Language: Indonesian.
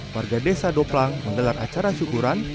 warga desa doplang menggelar acara syukuran